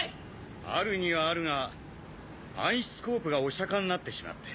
あるにはあるが暗視スコープがおしゃかになってしまって。